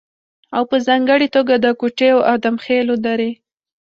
او په ځانګړې توګه د کوټې او ادم خېلو درې